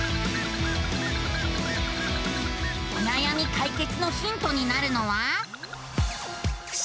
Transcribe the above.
おなやみ解決のヒントになるのは。